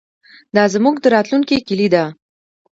دا زموږ د راتلونکي کلي ده.